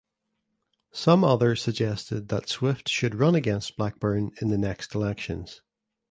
Some others suggested that Swift should run against Blackburn in the next elections.